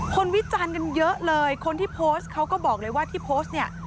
วิจารณ์กันเยอะเลยคนที่โพสต์เขาก็บอกเลยว่าที่โพสต์เนี่ย